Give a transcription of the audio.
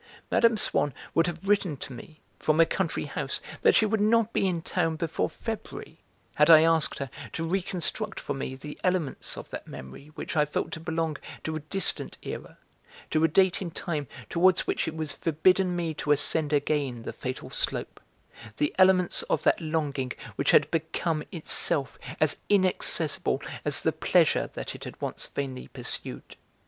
Mme. Swann would have written to me, from a country house, that she would not be in town before February, had I asked her to reconstruct for me the elements of that memory which I felt to belong to a distant era, to a date in time towards which it was forbidden me to ascend again the fatal slope, the elements of that longing which had become, itself, as inaccessible as the pleasure that it had once vainly pursued.